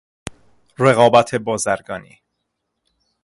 رقابت بازرگانی